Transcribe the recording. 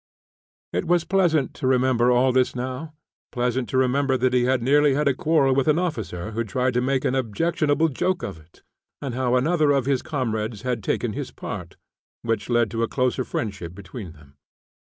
It was pleasant to remember all this now; pleasant to remember that he had nearly had a quarrel with an officer who tried to make an objectionable joke of it, and how another of his comrades had taken his part, which led to a closer friendship between them.